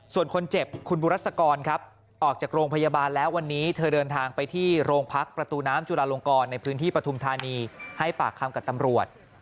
ส่วนคนเจ็บคุณบุรัษกรออกจากโรงพยาบาลแล้ว